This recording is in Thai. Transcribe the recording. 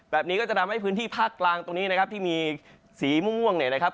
แบบนี้ก็จะทำให้พื้นที่ภาคกลางตรงนี้นะครับที่มีสีม่วงเนี่ยนะครับ